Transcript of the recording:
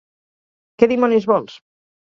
Què dimonis vols?